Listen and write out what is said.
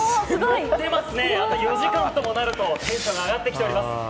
あと４時間ともなるとテンションが上がってきております。